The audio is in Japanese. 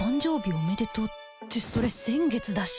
おめでとうってそれ先月だし